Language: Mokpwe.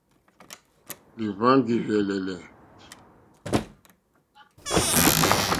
Lìhváŋgìrzèlèlè.